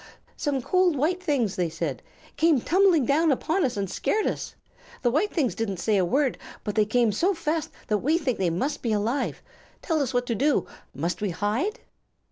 "Some cold white things," they said, "came tumbling down upon us and scared us. The white things didn't say a word, but they came so fast that we think they must be alive. Tell us what to do. Must we hide?"